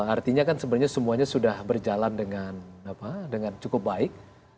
artinya kan sebenarnya semuanya sudah berjalan dengan cukup baik